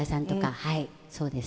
はいそうです。